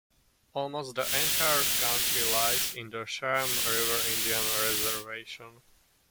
Almost the entire county lies in the Cheyenne River Indian Reservation.